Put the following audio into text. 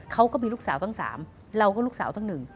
เขาก็มีลูกสาวตั้ง๓เราก็ลูกสาวตั้งหนึ่ง